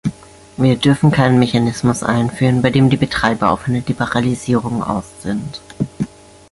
Wir dürfen keinen Mechanismus einführen, bei dem die Betreiber auf eine Liberalisierung aus sind.